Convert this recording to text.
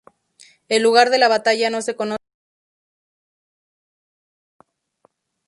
El lugar de la batalla no se conoce en realidad con certeza.